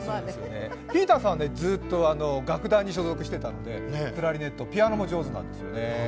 ピーターさんはずっと楽団に所属していたのでクラリネット、ピアノも上手なんですよね。